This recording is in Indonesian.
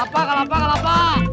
kalapak kalapak kalapak